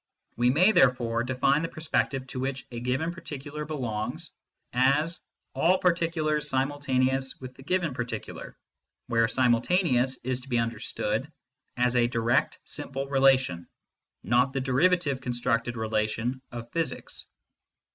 We may therefore define the perspective to which a given particular belongs as " all particulars simultaneous with the given particular," where " simultaneous " is to be understood as a direct simple relation, not the deriva tive constructed relation of physics.